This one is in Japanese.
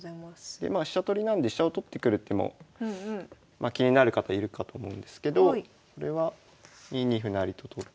でまあ飛車取りなんで飛車を取ってくる手も気になる方いるかと思うんですけどこれは２二歩成と取って。